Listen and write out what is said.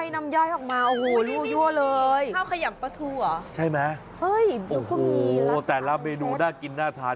น้ำย่อยออกมาโอ้โหรั่วยั่วเลยข้าวขยำปลาทูเหรอใช่ไหมเฮ้ยโอ้โหแต่ละเมนูน่ากินน่าทาน